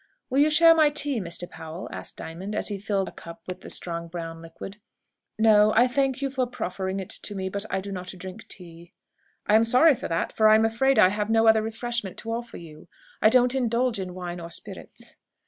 "Will you share my tea, Mr. Powell?" asked Diamond, as he filled a cup with the strong brown liquid. "No; I thank you for proffering it to me, but I do not drink tea." "I am sorry for that, for I am afraid I have no other refreshment to offer you. I don't indulge in wine or spirits."